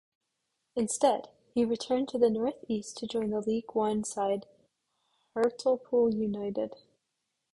Instead he returned to the north-east to join League One side Hartlepool United.